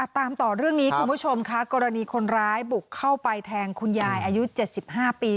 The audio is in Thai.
ตามต่อเรื่องนี้คุณผู้ชมค่ะกรณีคนร้ายบุกเข้าไปแทงคุณยายอายุ๗๕ปี